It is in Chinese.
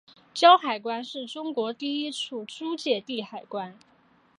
胶海关是中国第一处租借地海关。